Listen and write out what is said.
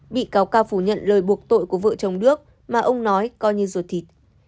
bị cáo ca phủ nhận lời buộc tội của vợ chồng đước mà ông nói coi như ruột thịt